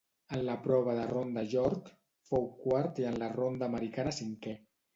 En la prova de la ronda York fou quart i en la ronda americana cinquè.